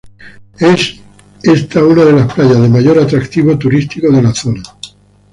Es esta una de las playas de mayor atractivo turístico de la región.